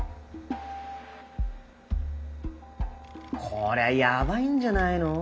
こりゃやばいんじゃないの。